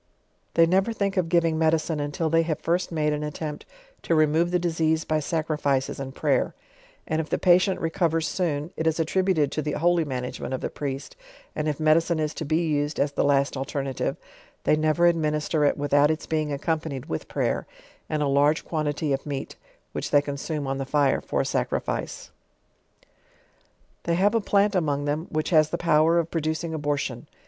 They never think of giving medicine, until they have first made an attempt to remove the disease by sacrifices end prayer; and if the patient recovers eoon, it is attributed to ; the holy management of the priest; and if medicine is to be used as the last alternative, they never administer it without its being accompanied with prayer, nnd a largo quantity of meat, which they consume on the fire for a sacrifice. They have a plant among them, which has the power of producing abortion.